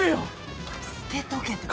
捨てとけて。